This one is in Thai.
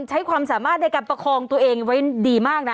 ใช้ความสามารถในการประคองตัวเองไว้ดีมากนะ